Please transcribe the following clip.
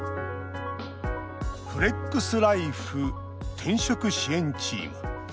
フレックスライフ転職支援チーム。